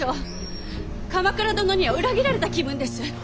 鎌倉殿には裏切られた気分です。